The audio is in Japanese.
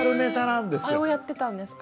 あれをやってたんですか？